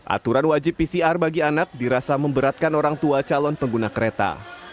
aturan wajib pcr bagi anak dirasa memberatkan orang tua calon pengguna kereta